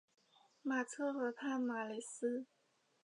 马特河畔马雷斯。